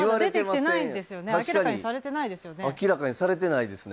明らかにされてないですよね。